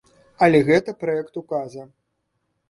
Але гэта праект указа.